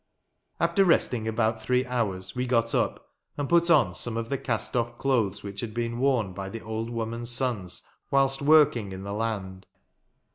After resting about three hours we got up, and put on some of the cast off clothes which had been worn by the old woman's sons whilst working in the land.